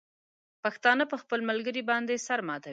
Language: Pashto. پښتانه په خپل ملګري باندې سر ماتوي.